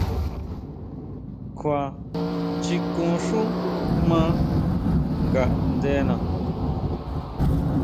Kjua chikon xú maa ngaʼndena.